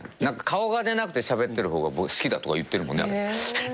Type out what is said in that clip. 顔が出なくてしゃべってる方が好きだとか言ってる。